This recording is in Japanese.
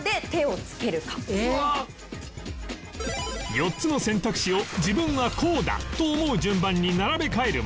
４つの選択肢を自分はこうだ！と思う順番に並べ替える問題